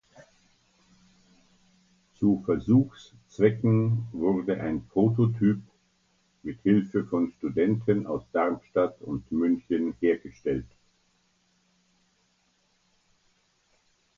Zu Versuchszwecken wurde ein Prototyp mit Hilfe von Studenten aus Darmstadt und München hergestellt.